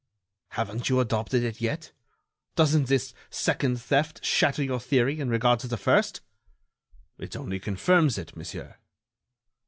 "Haven't you adopted it yet? Doesn't this second theft shatter your theory in regard to the first?" "It only confirms it, monsieur."